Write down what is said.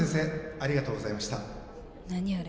ありがとうございました何あれ？